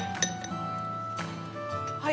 はい。